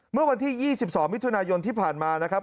เมื่อวันที่๒๒มิถุนายนที่ผ่านมานะครับ